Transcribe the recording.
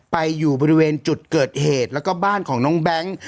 อยู่บริเวณจุดเกิดเหตุแล้วก็บ้านของน้องแบงค์